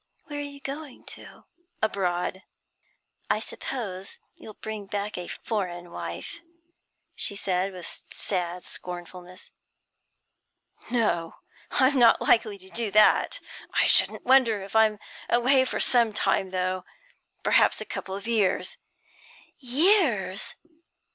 'Where are you going to?' 'Abroad.' 'I suppose you'll bring back a foreign wife,' she said with sad scornfulness. 'No, I'm not likely to do that. I shouldn't wonder if I'm away for some time, though perhaps a couple of years.' 'Years!'